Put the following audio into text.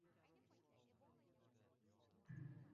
Qancha harakat qilmay kor qilmadi, tushuntirolmadim.